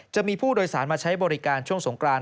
จะมีผู้โดยสารมาใช้บริการช่วงสงกราน